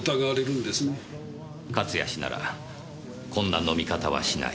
「勝谷氏ならこんな飲み方はしない」